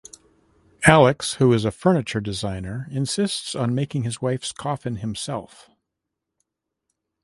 Alex, who is a furniture designer, insists on making his wife's coffin himself.